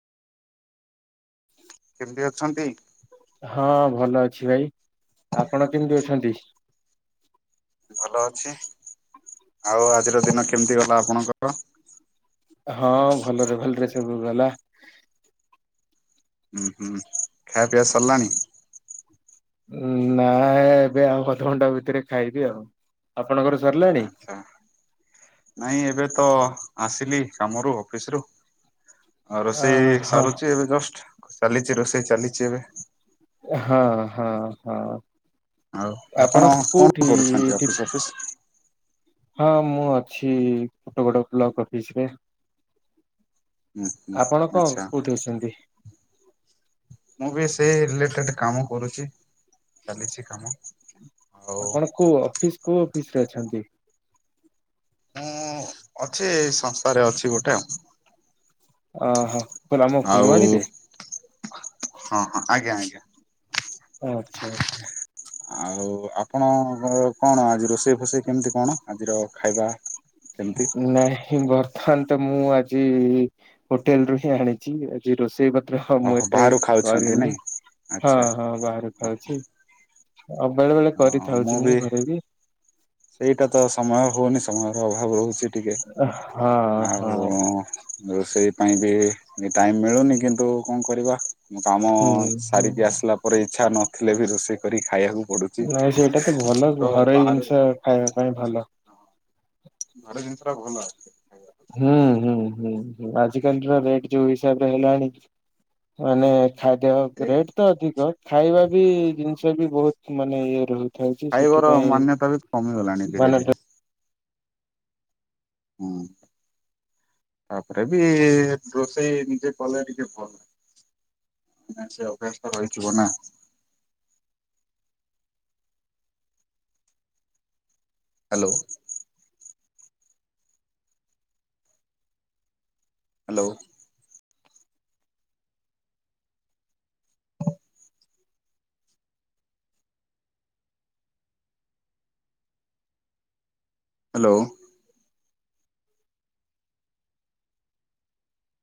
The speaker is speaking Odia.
କେମିତି ଅଛନ୍ତି? ହଁ ଭଲ ଅଛି ଭାଇ ଆପଣ କେମିତି ଅଛନ୍ତି? ଭଲ ଅଛି। ଆଉ ଆଜିର ଦିନ କେମିତି ଗଲା ଆପଣଙ୍କର? ହଁ ଭଲରେ ଭଲ ରେ ସବୁ ଗଲା। ହୁଁ ହୁଁ। ଖାଇଆ ପିଆ ସରିଲାଣି? ନାଇ ଏବେ ଆଉ ଅଧଘଣ୍ଟା ଭିତରେ ଖାଇବି ଆଉ। ଆପଣଙ୍କର ସରିଲାଣି? ଆଚ୍ଛା। ନାଇଁ ଏବେ ତ ଆସିଲି କାମରୁ ଅଫିସ ରୁ। ଅ ରୋଷେଇ ସାରୁଛି ଏବେ ଜଷ୍ଟ ଚାଲିଛି ରୋଷେଇ ଚାଲିଛି ଏବେ। ହଁ ହଁ ହଁ ଆପଣ କୋଉଠି ଟିପ୍ ଅଫିସ୍ ହଁ ମୁଁ ଅଛି ଫୋଟ ବଡ ବ୍ଲକ ଅଫିସ ରେ। ହୁଁ ହୁଁ ଆପଣ କଣ ଆଚ୍ଛା। କୋଉଠି ଅଛନ୍ତି? ମୁଁ ବି ସେଇ ରିଲେଟେ କାମ କରୁଛି ଚାଲିଛି କାମ ଆଉ ଆପଣ କୋଉ ଅଫିସ କୋଉ ଅଫିସ ରେ ଅଛନ୍ତି? ମୁଁ ଅଛି ସଂସ୍ଥାରେ ଅଛି ଗୋଟେ ଆଉ ଓହୋ। ଆଉ ହଁ ହଁ ଆଜ୍ଞା ଆଜ୍ଞା। ଆଚ୍ଛା ଆଚ୍ଛା। ଆଉ ଆପଣଙ୍କ କଣ ଆଜି ରୋଷେଇ ଫୋଷେଇ କେମିତି କଣ ଆଜିର ଖାଇବା? କେମିତି? ନାଇଁ ଘର ହଥାତା ମୁଁ ଆଜି ହୋଟେଲରୁ ହିଁ ଆଣିଛି ଆଜି ରୋଷେଇ ବା ମୁଁ ଓହୋ ଏତେ ବାହାରୁ ଖାଉଛନ୍ତି କରିନିନ ନାଇଁ ହଁ ଆଚ୍ଛା ହଁ ବାହାରୁ ଥାଉଛି ଆଉ ବେଳେବେଳେ କରିଥାଉଛି ମୁଁ ଘରେ ବି ସେଇଟା ତ ସମୟ ହଉନି ସମୟର ଅଭାବ ରହୁଛି ଟିକେ ହଁ ହଁ ଆଉ ରୋଷେଇ ପାଇଁ ବି ଟାଇମ ମିଳୁନି କିନ୍ତୁ କଣ କରିବା? କାମ ହୁଁ ସାରିକି ହୁଁ ଆସିଲା ପରେ ଇଚଛା ନଥିଲେ ବି ରୋଷେଇ କରି ଖାଇବାକୁ ପଡୁଛି ନାଇଁ ସେଇଟା ତ ଭଲ ଘରୋଇ ଜିନିଷ ଖାଇବା ପାଇଁ ଭଲ। ଘର ଜିନିଷଟା ଭଲ। ହୁଁ ହୁଁ ହୁଁ ଆଜିକାଲିର ରେଟ ଯୋଉ ହିସାବରେ ହେଲାଣି ମାନେ ଖାଦ୍ୟ ରେଟ ତ ଅଧିକ ଖାଇବା ବି ଜିନିଷ ବି ବହୁତ ମାନେ ଇଏ ରହୁଛି। ହଉଛି ଖାଇବାର ସେଥିପାଇଁ ମାନ୍ୟତା ବି କମିଗଲାଣି ଧୀରେ ମାନେ ଧୀରେ ହୁଁ। ତାପରେ ବି ରୋଷେଇ ନିଜେ କଲେ ଟିକେ ଭଲ। ନା ସେ ଅଭ୍ୟାସ ରହିଥିବ ନା? ହାଲୋ। ହାଲୋ। ହାଲୋ।